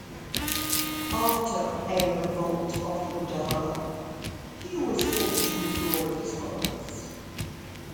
After a revolt of the Gudala he was forced to withdraw with his followers.